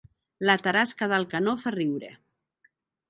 La tarasca d'Alcanó fa riure